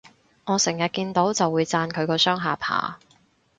我成日見到就會讚佢個雙下巴